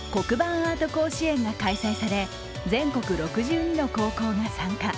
アート甲子園が開催され全国６２の高校が参加。